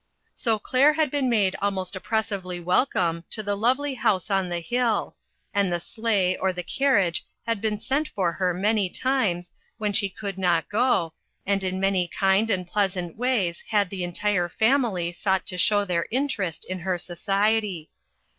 So Claire had been made almost oppres sively welcome to the lovely house on the hill, and the sleigh or the carriage had been sent for her many times when she could not go, and in many kind and pleas ant ways had the entire family sought to show their interest in her society.